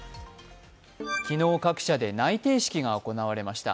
昨日、各社で内定式が行われました。